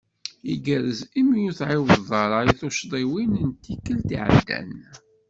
Igerrez imi ur tɛiwdeḍ ara i tucḍiwin n tikelt iɛeddan.